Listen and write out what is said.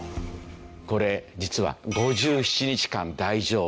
これ実は５７日間大丈夫と。